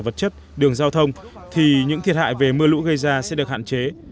vật chất đường giao thông thì những thiệt hại về mưa lũ gây ra sẽ được hạn chế